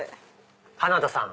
花田さん。